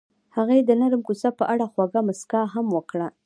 هغې د نرم کوڅه په اړه خوږه موسکا هم وکړه.